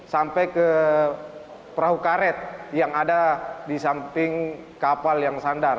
sampai ke perahu karet yang ada di samping kapal yang sandar